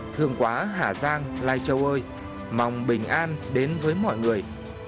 thường quá hà giang lai châu ơi mong bình an đến với mọi người